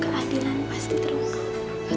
keadilan pasti terungkap